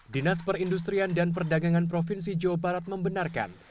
dinas perindustrian dan perdagangan provinsi jawa barat membenarkan